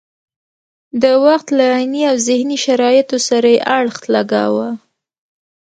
د وخت له عیني او ذهني شرایطو سره یې اړخ لګاوه.